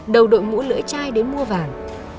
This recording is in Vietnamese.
đầu đội mũ lưỡi chai đến mua vàng